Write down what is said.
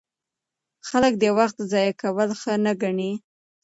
خلک د وخت ضایع کول ښه نه ګڼي.